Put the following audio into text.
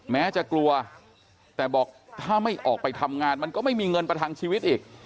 แม้จะกลัวแต่บอกถ้าไม่ออกไปทำงานมันก็ไม่มีเงินประทังชีวิตอีก